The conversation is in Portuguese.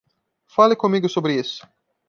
Fale comigo sobre isso.